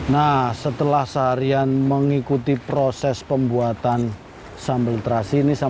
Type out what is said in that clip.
nah setelah seharian mengikuti proses pembuatan sambal terasi ini